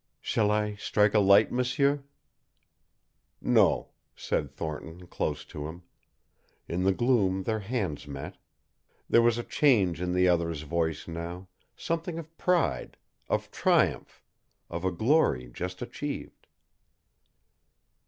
"Shall I strike a light, m'sieur?" "No," said Thornton close to him. In the gloom their hands met. There was a change in the other's voice now, something of pride, of triumph, of a glory just achieved.